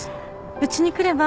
うちに来れば？